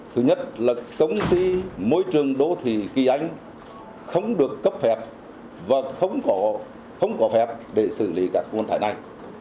thứ nhất là công ty môi trường đô thị kỳ anh không được cấp phép và không có phép để xử lý các nguồn thải này